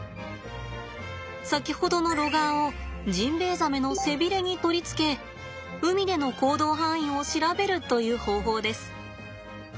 先ほどのロガーをジンベエザメの背びれに取り付け海での行動範囲を調べるという方法です。